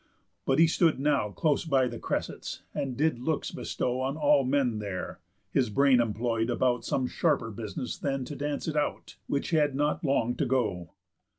But he stood now Close by the cressets, and did looks bestow On all men there; his brain employ'd about Some sharper business than to dance it out, Which had not long to go.